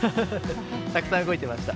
たくさん動いていました。